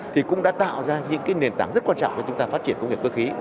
thì cũng đã tạo ra những nền tảng rất quan trọng cho chúng ta phát triển công nghiệp cơ khí